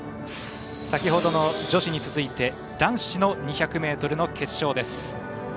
先ほどの女子に続いて男子の２００ｍの決勝です。